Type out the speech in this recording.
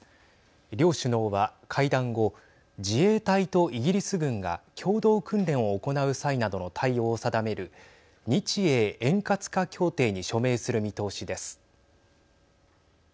両首脳は会談後自衛隊とイギリス軍が共同訓練を行う際などの対応を定める日英円滑化協定に署名する見通しです。